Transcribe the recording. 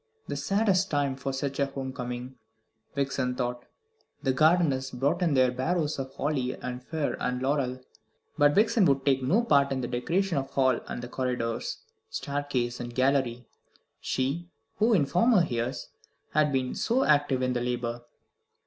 The saddest time for such a home coming, Vixen thought. The gardeners brought in their barrows of holly, and fir, and laurel; but Vixen would take no part in the decoration of hall and corridors, staircase and gallery she who in former years had been so active in the labour.